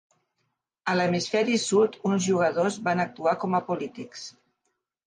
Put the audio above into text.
A l'hemisferi sud uns jugadors van actuar com a polítics.